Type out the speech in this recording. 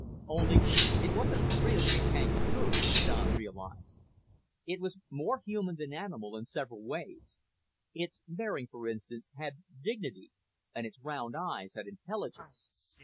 Only it wasn't really a kangaroo, Don realized. It was more human than animal in several ways. Its bearing, for instance, had dignity, and its round eyes had intelligence.